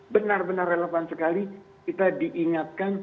benar benar relevan sekali kita diingatkan